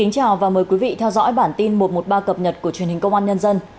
chào mừng quý vị đến với bản tin một trăm một mươi ba cập nhật của truyền hình công an nhân dân